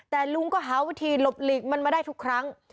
แต่ลุงก็หาวิธีหลบหลีกมันมาได้ทุกครั้ง